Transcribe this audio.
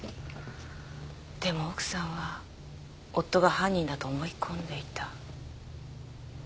でも奥さんは夫が犯人だと思い込んでいた。